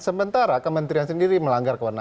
sementara kementerian sendiri melanggar kewenangan